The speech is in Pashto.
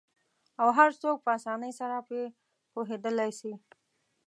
او هرڅوک په آسانۍ سره په پوهیدالی سي